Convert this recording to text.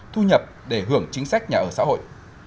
thu nhập để hưởng chính sách nhà ở xã hội